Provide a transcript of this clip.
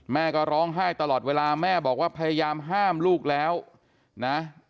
แม่ก็ร้องไห้ตลอดเวลาแม่บอกว่าพยายามห้ามลูกแล้วนะ